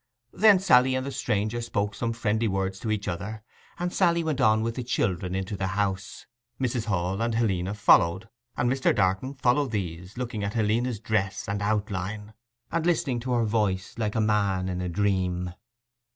Then Sally and the stranger spoke some friendly words to each other, and Sally went on with the children into the house. Mrs. Hall and Helena followed, and Mr. Darton followed these, looking at Helena's dress and outline, and listening to her voice like a man in a dream.